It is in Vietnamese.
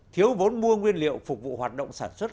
thiếu vốn mua nguyên liệu phục vụ hoạt động sản xuất